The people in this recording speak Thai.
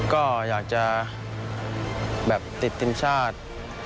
ก็อยากจะแบบติดทีมชาติ